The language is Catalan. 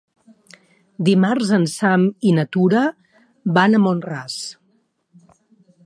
Dimarts en Sam i na Tura van a Mont-ras.